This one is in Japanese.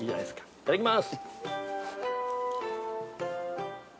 いただきます。